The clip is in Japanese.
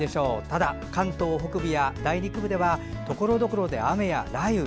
ただ、関東北部や内陸部ではところどころで雨や雷雨。